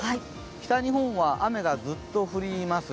北日本は雨がずって降ります。